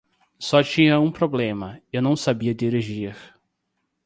Só tinha um problema, eu não sabia dirigir.